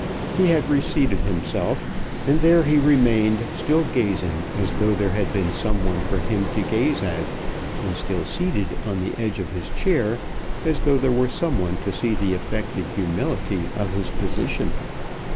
He had reseated himself, and there he remained still gazing as though there had been some one for him to gaze at, and still seated on the edge of his chair as though there were some one to see the affected humility of his position.